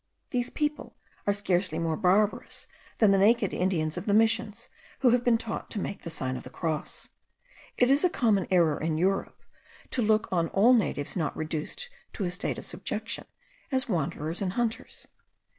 These people are scarcely more barbarous than the naked Indians of the Missions, who have been taught to make the sign of the cross. It is a common error in Europe, to look on all natives not reduced to a state of subjection, as wanderers and hunters.